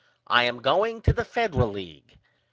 I am going to the Federal League.